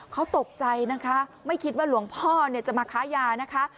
เขาตกใจนะคะไม่คิดว่าหลวงพ่อเนี่ยจะมาค้ายานะคะ